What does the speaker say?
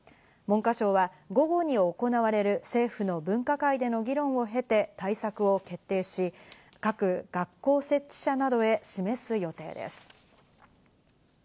文科省は午後に行われる政府の分科会での議論を経て対策を決定し、各学校設置者などへ示す予定です。